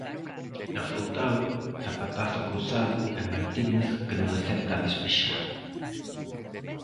Na frontal, zapatazo cruzado e Martínez que non acerta a despexar.